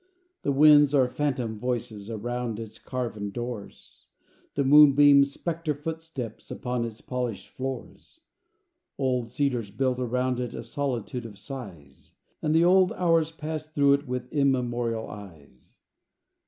The winds are phantom voices Around its carven doors; The moonbeams, specter footsteps Upon its polished floors. Old cedars build around it A solitude of sighs; And the old hours pass through it With immemorial eyes.